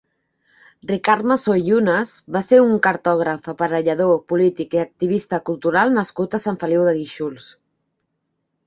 Ricard Masó i Llunes va ser un cartògraf, aparellador, polític i activista cultural nascut a Sant Feliu de Guíxols.